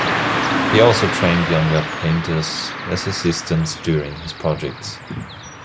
He also trained younger painters as assistants during his projects.